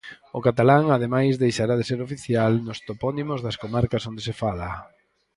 O catalán, ademais, deixará de ser oficial nos topónimos das comarcas onde se fala.